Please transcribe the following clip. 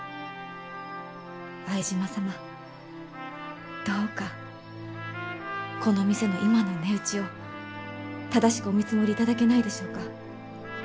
相島様どうかこの店の今の値打ちを正しくお見積もりいただけないでしょうか？